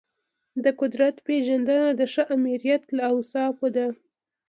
د قدرت پیژندنه د ښه آمریت له اوصافو ده.